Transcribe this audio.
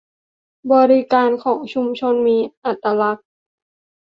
บริการของชุมชนที่มีอัตลักษณ์